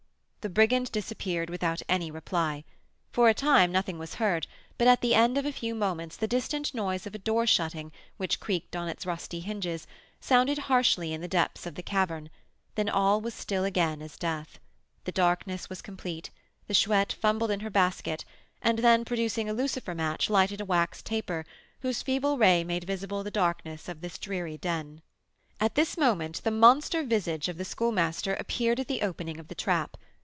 '" The brigand disappeared without any reply. For a time nothing was heard, but at the end of a few moments the distant noise of a door shutting, which creaked on its rusty hinges, sounded harshly in the depths of the cavern; then all was again still as death. The darkness was complete. The Chouette fumbled in her basket, and then, producing a lucifer match, lighted a wax taper, whose feeble ray made visible the darkness of this dreary den. At this moment the monster visage of the Schoolmaster appeared at the opening of the trap.